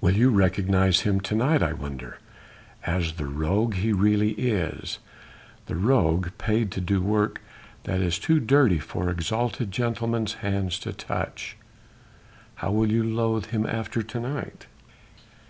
Will you recognise him to night I wonder, as the rogue he really is? the rogue paid to do work that is too dirty for exalted gentlemen's hands to touch? How you will loathe him after to night!"